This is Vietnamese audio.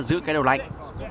giữ cái đầu lạnh